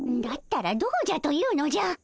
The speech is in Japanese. だったらどうじゃというのじゃ！